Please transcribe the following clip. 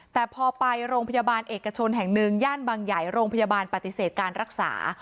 แต่พอไปโรงพยาบาลเอกชนแห่งหนึ่งย่านบางใหญ่โรงพยาบาลปฏิเสธการรักษา